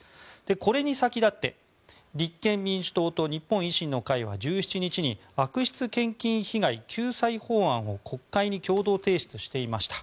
これに先立って立憲民主党と日本維新の会は１７日に悪質献金被害救済法案を国会に共同提出していました。